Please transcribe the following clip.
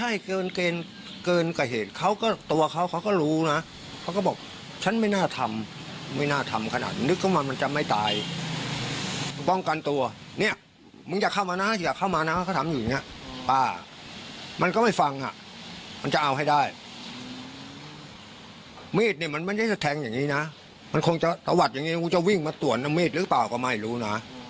ยังไงก็จะวิ่งมาตรวจนมิดหรือเปล่าก็ไม่รู้นะ